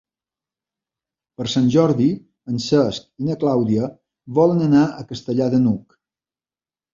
Per Sant Jordi en Cesc i na Clàudia volen anar a Castellar de n'Hug.